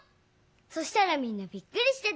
そしたらみんなびっくりしてた。